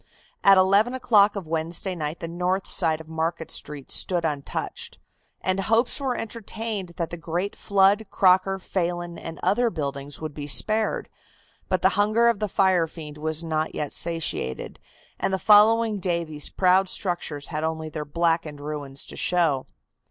At eleven o'clock of Wednesday night the north side of Market Street stood untouched, and hopes were entertained that the great Flood, Crocker, Phelan and other buildings would be spared, but the hunger of the fire fiend was not yet satiated, and the following day these proud structures had only their blackened ruins to show.